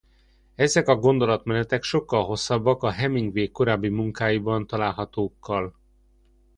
Ezek a gondolatmenetek sokkal hosszabbak a Hemingway korábbi munkáiban találhatókkal.